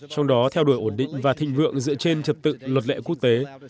trong đó theo đuổi ổn định và thịnh vượng dựa trên trật tự luật lệ quốc tế